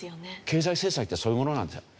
経済制裁ってそういうものなんですよ。